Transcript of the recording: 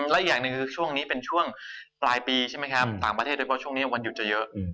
ไม่อยากที่ช่วงนี่เป็นช่วงปลายปีใช่มั้ยต่างประเทศมีวันหยุดเยาะ